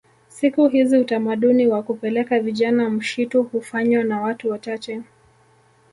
Siku hizi utamaduni wa kupeleka vijana mshitu hufanywa na watu wachache